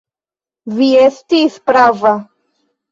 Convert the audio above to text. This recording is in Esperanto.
Vi estis prava.